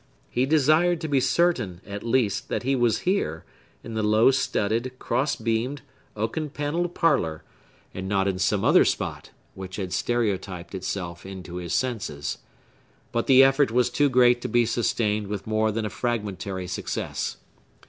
He desired to be certain, at least, that he was here, in the low studded, cross beamed, oaken panelled parlor, and not in some other spot, which had stereotyped itself into his senses. But the effort was too great to be sustained with more than a fragmentary success.